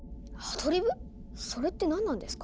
それって何なんですか？